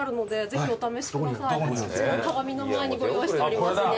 そちら鏡の前にご用意しておりますね。